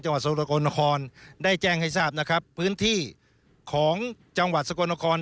จังหวัดสกลนครได้แจ้งให้ทราบนะครับพื้นที่ของจังหวัดสกลนคร